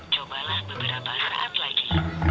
cobalah beberapa saat lagi